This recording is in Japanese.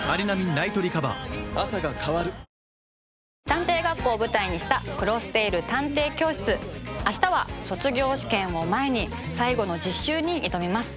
探偵学校を舞台にした『クロステイル探偵教室』あしたは卒業試験を前に最後の実習に挑みます。